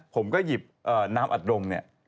ผมก็หยิบน้ำอัดดงเนี่ย